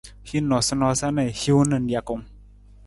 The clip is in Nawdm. Hin noosanoosa na hiwung na nijakung.